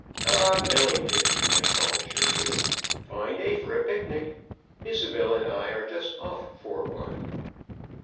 "Ah! Millington!" I called cheerfully. "Fine day for a picnic! Isobel and I are just off for one."